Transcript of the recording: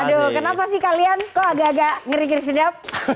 aduh kenapa sih kalian kok agak agak ngeri ngeri sedap